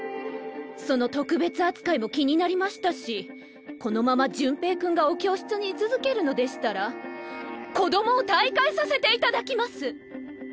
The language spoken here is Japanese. その特別扱いも気になりましたしこのまま潤平君がお教室に居続けるのでしたら子どもを退会させていただきます。